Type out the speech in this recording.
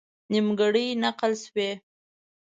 نیمګړې نقل شوې.